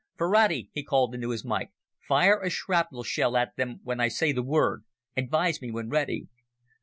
"Ferrati," he called into his mike, "fire a shrapnel shell at them when I say the word. Advise me when ready!"